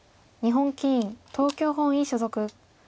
日本棋院東京本院所属。